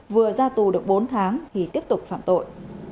vừa ra tù được bốn tháng thì tiếp tục phạm tội